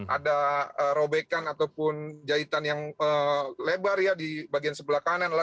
ada robekan ataupun jahitan yang lebar ya di bagian sebelah kanan